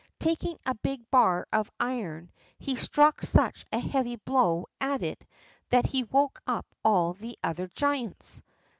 Taking a big bar of iron, he struck such a heavy blow at it that he woke up all the other giants.